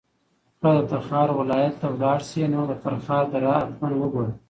که د تخار ولایت ته لاړ شې نو د فرخار دره حتماً وګوره.